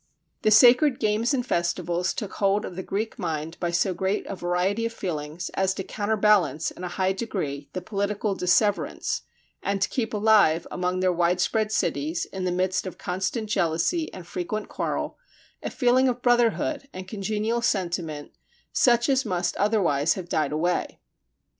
The sacred games and festivals took hold of the Greek mind by so great a variety of feelings as to counterbalance in a high degree the political disseverance, and to keep alive among their widespread cities, in the midst of constant jealousy and frequent quarrel, a feeling of brotherhood and congenial sentiment such as must otherwise have died away.